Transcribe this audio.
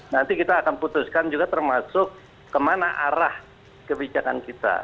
nanti kita akan putuskan juga termasuk kemana arah kebijakan kita